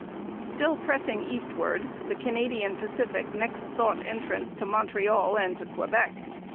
Still pressing eastward, the Canadian Pacific next sought entrance to Montreal and to Quebec.